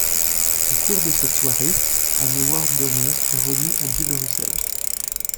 Au cours de cette soirée, un award d'honneur est remis à Bill Russell.